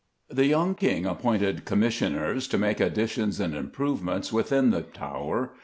The young King appointed Commissioners to make additions and improvements within the Tower.